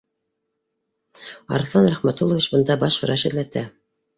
— Арыҫлан Рәхмәтуллович, бында баш врач эҙләтә